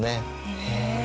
へえ。